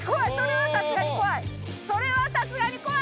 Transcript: それはさすがに怖い！